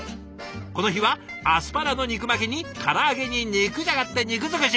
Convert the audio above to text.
この日はアスパラの肉巻きにから揚げに肉じゃがって肉尽くし！